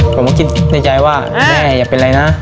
ผมก็คิดในใจว่าแม่อย่าเป็นอะไรนะ